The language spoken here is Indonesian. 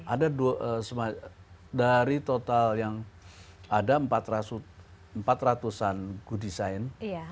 ada dari total yang ada empat ratus an good design